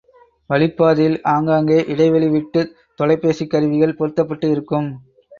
வழிப்பாதையில் ஆங்காங்கே இடைவெளி விட்டுத் தொலைபேசிக் கருவிகள் பொருத்தப்பட்டு இருக்கும்.